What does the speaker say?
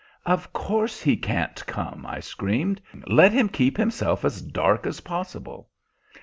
"Of course he can't come!" I screamed; "let him keep himself as dark as possible."